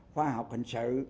khoa học hình sự